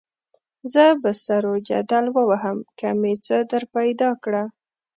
زه به سر وجدل ووهم که مې څه درپیدا کړه.